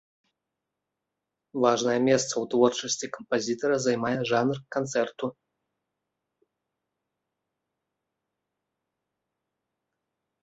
Важнае месца ў творчасці кампазітара займае жанр канцэрту.